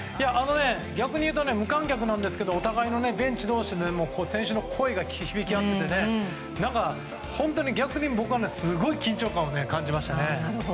逆にいうと無観客なんですけどお互いにベンチ同士の選手の声が響き合ってて逆に僕はすごい緊張感を感じましたね。